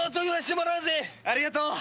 ありがとう。